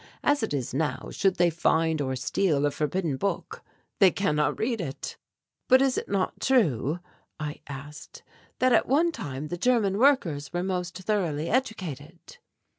As it is now, should they find or steal a forbidden book, they cannot read it." "But is it not true," I asked, "that at one time the German workers were most thoroughly educated?"